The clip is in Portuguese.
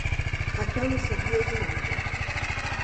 Raquel não sabia de nada.